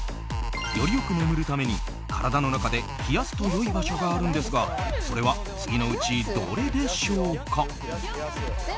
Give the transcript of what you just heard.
より良く眠るために体の中で冷やすと良い場所があるんですがそれは次のうちどれでしょうか。